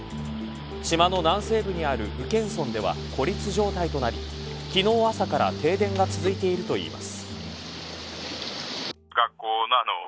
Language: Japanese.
島の南西部にある宇検村では孤立状態となり昨日朝から停電が続いているといいます。